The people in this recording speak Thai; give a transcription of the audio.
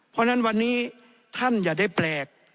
เพราะฉะนั้นวันนี้ท่านอย่าได้แปลก